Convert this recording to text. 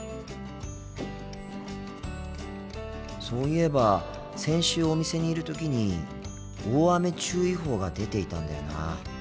そういえば先週お店にいる時に大雨注意報が出ていたんだよな。